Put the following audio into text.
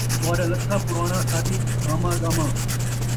تہاݙا لتھا پراݨا، ساݙی ہاماں ڳاماں